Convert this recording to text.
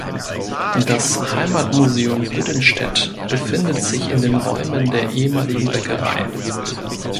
Das "Heimatmuseum Büddenstedt" befindet sich in den Räumen der ehemaligen Bäckerei.